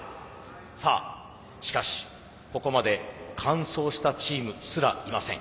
さあしかしここまで完走したチームすらいません。